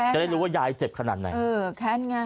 จะได้รู้ว่ายายเจ็บขนาดไหน